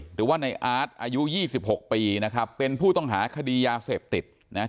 หรือว่าในอาร์ตอายุ๒๖ปีนะครับเป็นผู้ต้องหาคดียาเสพติดนะ